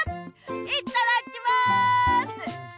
いっただっきます！